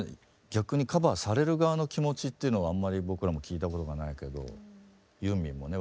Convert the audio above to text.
逆にカバーされる側の気持ちっていうのはあんまり僕らも聞いたことがないけどユーミンもね